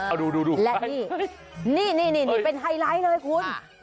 เอาดูและนี่นี่เป็นไฮไลท์เลยคุณ